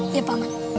iya pak man